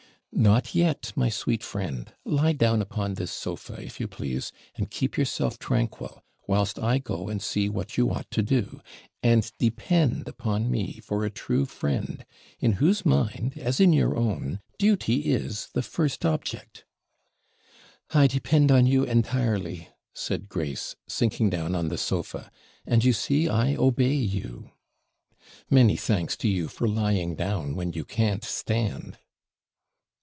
'Not yet, my sweet friend! Lie down upon this sofa, if you please; and keep yourself tranquil, whilst I go and see what you ought to do; and depend upon me for a true friend, in whose mind, as in your own, duty is the first object.' 'I depend on you entirely,' said Grace, sinking down on the sofa; 'and you see I obey you!' 'Many thanks to you for lying down, when you can't stand.'